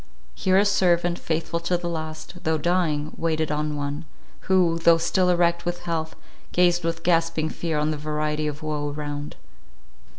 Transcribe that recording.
Here a servant, faithful to the last, though dying, waited on one, who, though still erect with health, gazed with gasping fear on the variety of woe around.